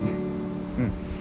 うん。